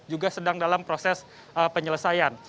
juga sedang dalam proses penyelesaian